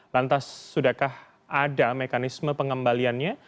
lantas sudahkah ada mekanisme pengembaliannya